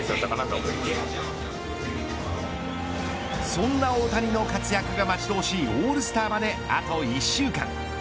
そんな大谷の活躍が待ち遠しいオールスターまであと１週間。